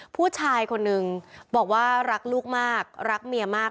ผู้ชายคนนึงบอกว่ารักลูกมากรักเมียมาก